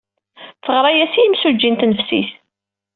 Teɣra-as i yemsujji n tnefsit.